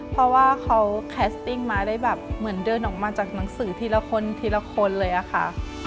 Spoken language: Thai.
เพราะว่าเขาแคสติ้งมาได้แบบเหมือนเดินออกมาจากหนังสือทีละคนทีละคนเลยอะค่ะ